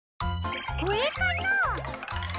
これかな？